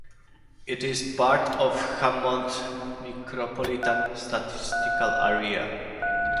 It is part of the Hammond Micropolitan Statistical Area.